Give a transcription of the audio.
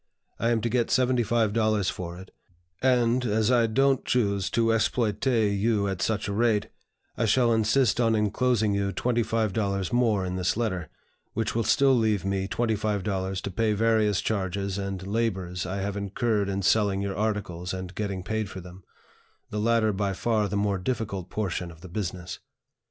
I am to get $75 for it, and, as I don't choose to exploiter you at such a rate, I shall insist on inclosing you $25 more in this letter, which will still leave me $25 to pay various charges and labors I have incurred in selling your articles and getting paid for them, the latter by far the more difficult portion of the business."